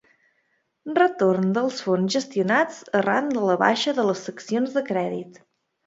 Retorn dels fons gestionats arran de la baixa de les seccions de crèdit.